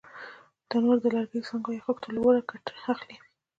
تنور د لرګي، څانګو یا خښتو له اوره ګټه اخلي